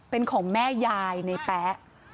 เป็นของแม่ยายในแป๊ะ